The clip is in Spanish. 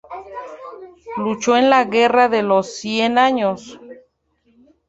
Luchó en la Guerra de los Cien Años.